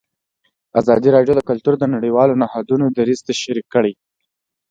ازادي راډیو د کلتور د نړیوالو نهادونو دریځ شریک کړی.